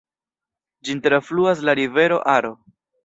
Ĝin trafluas la rivero Aro.